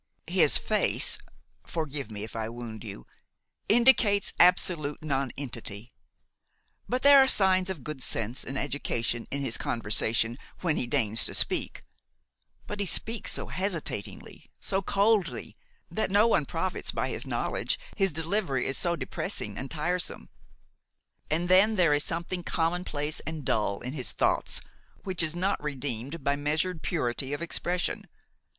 "His face–forgive me if I wound you–indicates absolute nonentity; but there are signs of good sense and education in his conversation when he deigns to speak; but he speaks so hesitatingly, so coldly, that no one profits by his knowledge, his delivery is so depressing and tiresome. And then there is something commonplace and dull in his thoughts which is not redeemed by measured purity of expression.